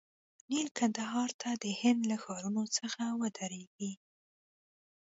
نیل کندهار ته د هند له ښارونو څخه واردیږي.